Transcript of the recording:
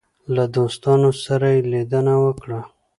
له دوستانو سره یې لیدنه وکړه.